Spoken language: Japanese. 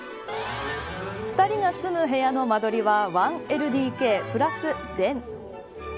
２人が住む部屋の間取りは１ＬＤＫプラスＤＥＮ。